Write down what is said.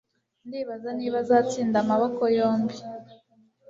Ndibaza niba azatsinda amoko yombi